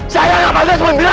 saya nggak pantas buat mirah